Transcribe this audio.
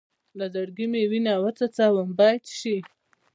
له زړګي چې وینه وڅڅوم بیت شي.